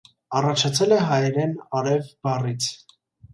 Առաջացել է հայերեն «արև» բառից։